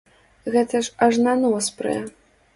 Гэта ж аж на нос прэ!